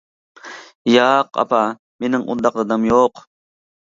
-ياق، ئاپا، مېنىڭ ئۇنداق دادام يوق!